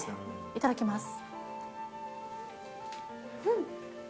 いただきます。